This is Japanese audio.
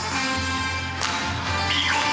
見事！